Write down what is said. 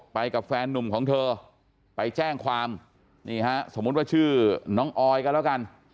ไปกับแฟนนุ่มของเธอไปแจ้งความนี่ฮะสมมุติว่าชื่อน้องออยกันแล้วกัน